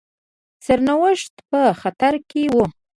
سرنوشت په خطر کې وو.